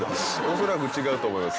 恐らく違うと思います